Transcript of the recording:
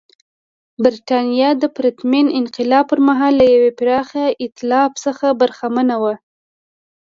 برېټانیا د پرتمین انقلاب پر مهال له یوه پراخ اېتلاف څخه برخمنه وه.